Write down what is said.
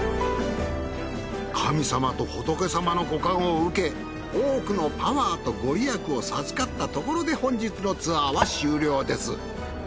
神様と仏様のご加護を受け多くのパワーとご利益を授かったところで本日のツアーは終了です。